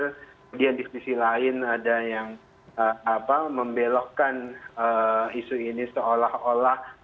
kemudian di sisi lain ada yang membelokkan isu ini seolah olah